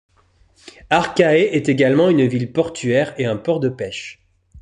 Arcahaie est également une ville portuaire et un port de pêche.